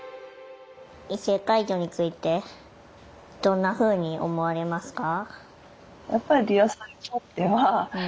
異性介助についてどんなふうに思われますか？